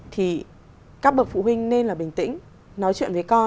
thì các bậc phụ huynh nên là bình tĩnh